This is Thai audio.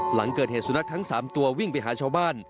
หลังเกิดเหตุสุนัขทั้ง๓ตัววิ่งไปหาชาวบ้าน